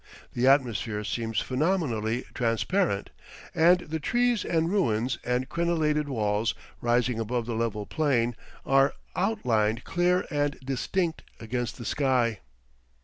The atmosphere seems phenomenally transparent, and the trees and ruins and crenellated walls, rising above the level plain, are outlined clear and distinct against the sky.